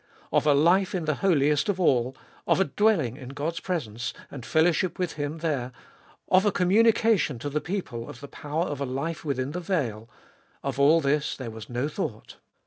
Of a life in the Holiest of All, of a dwelling in God's presence, and fellowship with Him there, of a communication to the people of the power of a life within the veil, — of all this there was no thought.